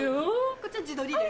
こっちは自撮りです。